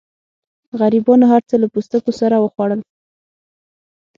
غریبانو هر څه له پوستکو سره وخوړل.